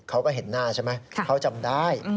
เขาก็เห็นหน้าใช่ไหมเขาจำได้